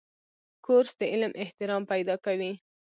کورس د علم احترام پیدا کوي.